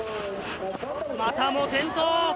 またも転倒！